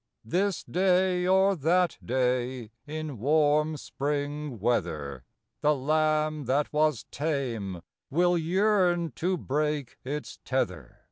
This day or that day in warm spring weather, The lamb that was tame will yearn to break its tether.